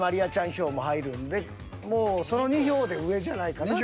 票も入るんでもうその２票で上じゃないかなと。